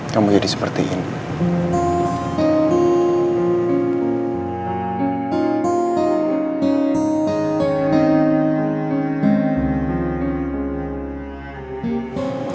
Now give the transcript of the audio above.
kamu jadi seperti ini